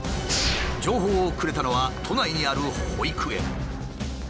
情報をくれたのは都内にある保育園。